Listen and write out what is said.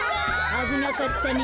あぶなかったね。